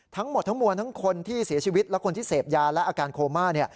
ทั้งหมดทั้งมวลทั้งคนที่เสียชีวิตและคนที่เสพยาและอาการโคม่า